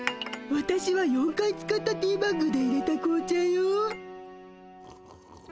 わたしは４回使ったティーバッグでいれた紅茶よ。